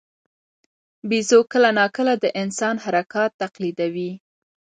بیزو کله ناکله د انسان حرکات تقلیدوي.